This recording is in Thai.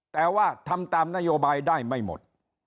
แต่ว่าทำตามนโยบายได้ไม่หมด